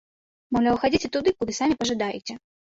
Маўляў, хадзіце туды, куды самі пажадаеце!